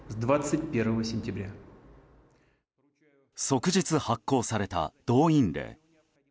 即日発効された動員令。